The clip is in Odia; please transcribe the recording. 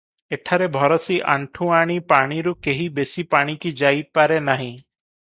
ଏଠାରେ ଭରସି ଆଣ୍ଠୁ ଆଣି ପାଣିରୁ କେହି ବେଶି ପାଣିକି ଯାଇପାରେ ନାହିଁ ।